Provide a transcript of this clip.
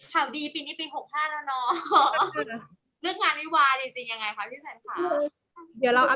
ห่าวดีปีนี้ปี๖๕แล้วเนาะ